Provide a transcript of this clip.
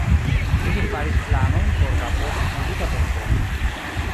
Ili faris planojn por la postmilita tempo.